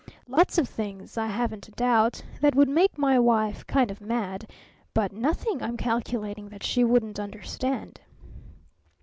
Lots of things, I haven't a doubt, that would make my wife kind of mad, but nothing, I'm calculating, that she wouldn't understand.